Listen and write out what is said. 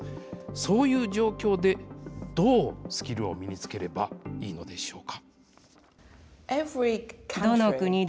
そういう状況で、どうスキルを身につければいいのでしょうか。